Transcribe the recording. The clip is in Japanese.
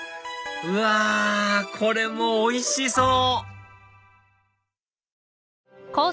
うわこれもおいしそう！